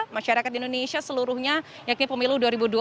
masyarakat indonesia seluruhnya yakni pemilu dua ribu dua puluh